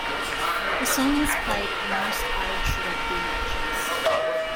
The song is played at most Irish Rugby matches.